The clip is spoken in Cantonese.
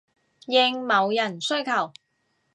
應某人需求